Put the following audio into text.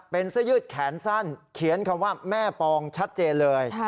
เป็นเสื้อยืดแขนสั้นเขียนคำว่าแม่ปองชัดเจนเลย